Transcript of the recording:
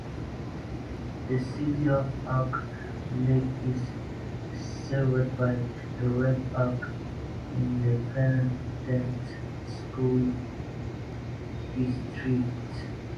The city of Oak Leaf is served by the Red Oak Independent School District.